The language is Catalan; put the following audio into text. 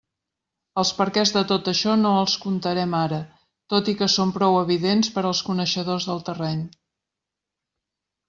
Els perquès de tot això no els contarem ara, tot i que són prou evidents per als coneixedors del terreny.